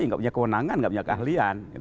tidak punya kewenangan tidak punya keahlian